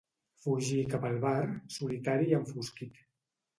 Fugí cap al bar, solitari i enfosquit.